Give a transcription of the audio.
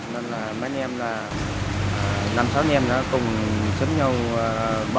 nên là mấy em là năm sáu em nó cùng xếp nhau bờ vào bên trong phòng như đưa từng em ra